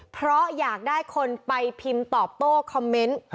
เพราะอยากได้คนไปพิมพ์ตอบโต้คอมเมนต์